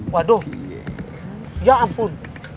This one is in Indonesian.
waduh ya ampun